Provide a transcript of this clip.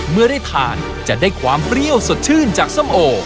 เมื่อได้ทานจะได้ความเปรี้ยวสดชื่นจากส้มโอ